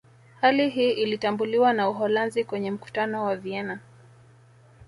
Hali hii ilitambuliwa na Uholanzi kwenye Mkutano wa Vienna